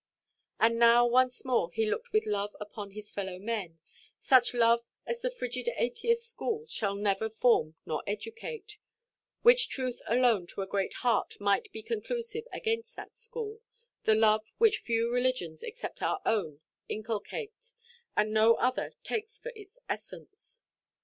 And now once more he looked with love upon his fellow–men, such love as the frigid atheist school shall never form nor educate—which truth alone to a great heart might be conclusive against that school—the love which few religions except our own inculcate, and no other takes for its essence.